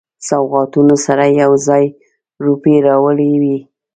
سوغاتونو سره یو ځای روپۍ راوړي وې.